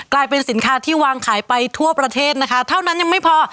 กลายเป็นสินค้าที่วางขายไปทั่วประเทศนะคะเท่านั้นยังไม่พอ